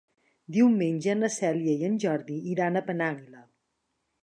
Diumenge na Cèlia i en Jordi iran a Penàguila.